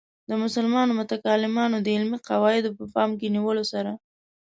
د مسلمانو متکلمانو د علمي قواعدو په پام کې نیولو سره.